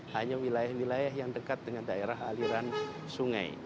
hanya wilayah wilayah yang dekat dengan daerah aliran sungai